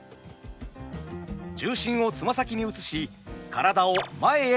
重心を爪先に移し体を前へ傾けます。